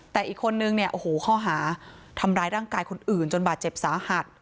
แต่อีกคนนึงเนี่ยโอ้โหข้อหาทำร้ายร่างกายคนอื่นจนบาดเจ็บสาหัส